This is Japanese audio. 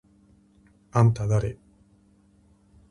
あんただれ？！？